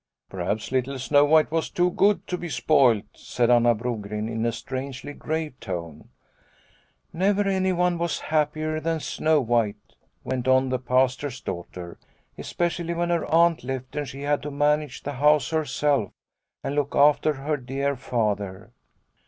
" Perhaps little Snow White was too good to be spoilt," said Anna Brogren, in a strangely grave tone. ''Never anyone was happier than Snow White," went on the Pastor's daughter, " es pecially when her aunt left and she had to manage the house herself and look after her dear Father.